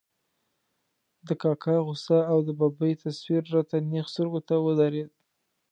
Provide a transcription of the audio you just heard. د کاکا غوسه او د ببۍ تصویر را ته نېغ سترګو ته ودرېد.